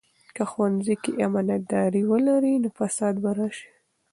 که ښوونځي کې امانتداري ولري، نو فساد به راسي.